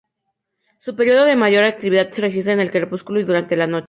Su período de mayor actividad se registra en el crepúsculo y durante la noche.